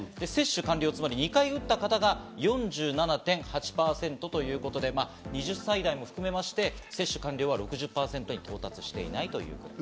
２回打った方が４７．８％ということで２０歳代も含めまして接種完了は６０％に到達していないということです。